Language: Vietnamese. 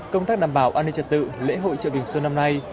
công tác đảm bảo an ninh trật tự lễ hội chợ bình xuân năm nay